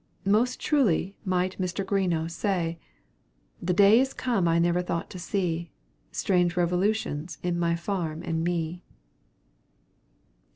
Most truly might Mr. Greenough say, "The day is come I never thought to see, Strange revolutions in my farm and me."